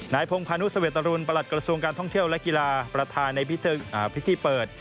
พงพานุสเวตรุลประหลัดกระทรวงการท่องเที่ยวและกีฬาประธานในพิธีเปิด